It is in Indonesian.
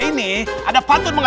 kalian yakin emangnya